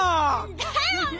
だよね！